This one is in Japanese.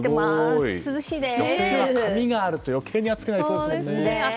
女性は髪があると余計に暑くなりそうですね。